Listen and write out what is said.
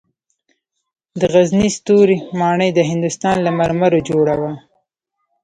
د غزني ستوري ماڼۍ د هندوستان له مرمرو جوړه وه